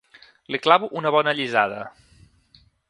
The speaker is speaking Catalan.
Li clavo una bona allisada.